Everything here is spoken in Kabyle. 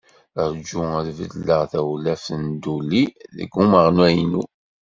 Rju ad beddleɣ tawlaft n tduli deg umaɣnu-inu.